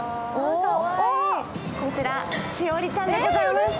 こちら、栞里ちゃんでございます